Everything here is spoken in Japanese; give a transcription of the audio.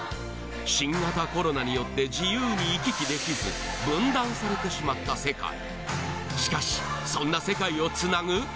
新型コロナによって自由に行き来できず分断されてしまった世界しかしそんな世界をつなぐ？！